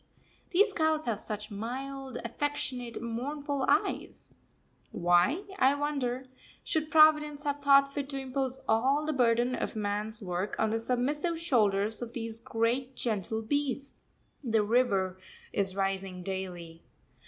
These cows have such mild, affectionate, mournful eyes; why, I wonder, should Providence have thought fit to impose all the burden of man's work on the submissive shoulders of these great, gentle beasts? The river is rising daily.